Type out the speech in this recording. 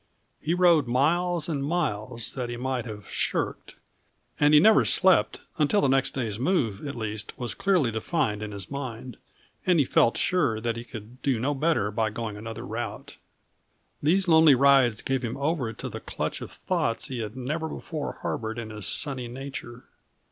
He rode miles and miles that he might have shirked, and he never slept until the next day's move, at least, was clearly defined in his mind and he felt sure that he could do no better by going another route. These lonely rides gave him over to the clutch of thoughts he had never before harbored in his sunny nature.